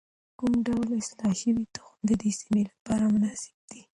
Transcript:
کوم ډول اصلاح شوی تخم د دې سیمې لپاره مناسب دی؟